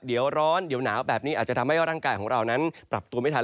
เดี๋ยวร้อนเดี๋ยวหนาวแบบนี้อาจจะทำให้ร่างกายของเรานั้นปรับตัวไม่ทัน